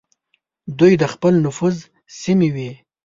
دوی د خپل نفوذ سیمې وې.